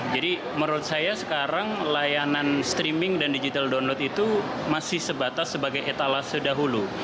jadi menurut saya sekarang layanan streaming dan digital download itu masih sebatas sebagai etalase dahulu